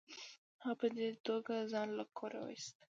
هغه په دې توګه ځان له کوره وایست.